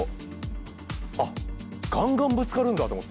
あっガンガンぶつかるんだと思って双子同士。